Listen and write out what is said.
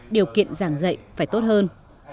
điều kiện giảng dạy phải tốt hơn